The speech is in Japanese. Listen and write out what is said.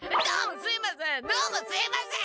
どうもすいません！